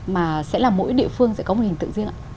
mà sẽ là mỗi địa phương sẽ có một hình tượng riêng ạ